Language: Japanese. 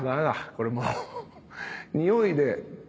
これもうにおいであれか。